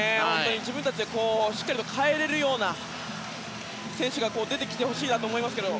自分たちでしっかり変えられるような選手が出てきてほしいと思いますけど。